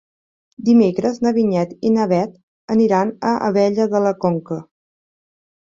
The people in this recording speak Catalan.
Dimecres na Vinyet i na Bet aniran a Abella de la Conca.